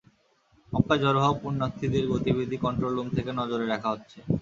মক্কায় জড়ো হওয়া পুণ্যার্থীদের গতিবিধি কন্ট্রোল রুম থেকে নজরে রাখা হচ্ছে।